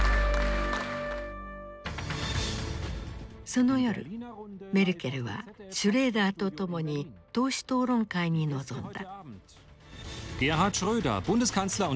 その夜メルケルはシュレーダーと共に党首討論会に臨んだ。